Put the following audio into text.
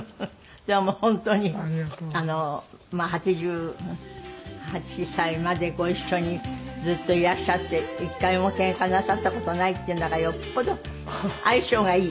でも本当にあのまあ８８歳までご一緒にずっといらっしゃって１回もけんかなさった事ないっていうんだからよっぽど相性がいい。